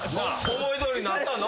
思いどおりなったの？